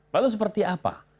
lalu seperti apa